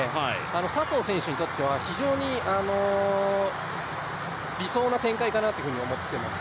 佐藤選手にとっては非常に理想な展開かなというふうに思っています。